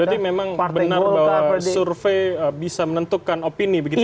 berarti memang benar bahwa survei bisa menentukan opini begitu ya